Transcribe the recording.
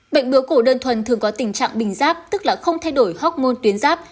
bệnh bướu cổ đơn thuần thường có tình trạng bình giáp tức là không thay đổi hóc môn tuyến giáp